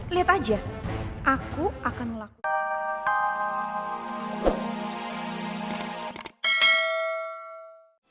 lihat aja aku akan melakukan